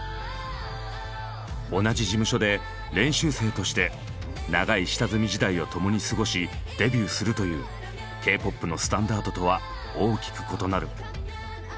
同じ事務所で練習生として長い下積み時代をともに過ごしデビューするというＫ−ＰＯＰのスタンダードとは大きく異なる。